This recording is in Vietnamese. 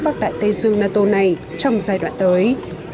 bắc đại tây dương nato này trong giai đoạn tới